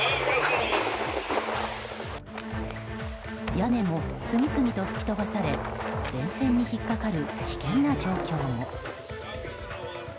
屋根も次々と吹き飛ばされ電線に引っかかる危険な状況も。